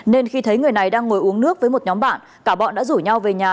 nên khi thấy người này đang ngồi uống nước với một nhóm bạn cả bọn đã rủ nhau về nhà